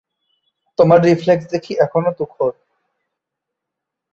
তোর রিফ্লেক্স দেখি এখনও তুখোড়।